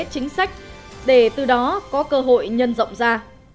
chính sách để từ đó có cơ hội nhân rộng ra